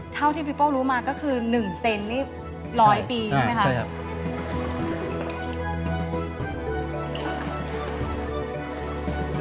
เท่าที่พี่พ่อรู้มาก็คือ๑เซนหลายปีใช่ไหมครับ